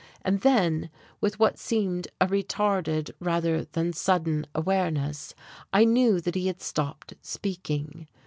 And then, with what seemed a retarded rather than sudden awareness, I knew that he had stopped speaking.